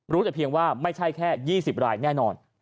แต่เพียงว่าไม่ใช่แค่๒๐รายแน่นอน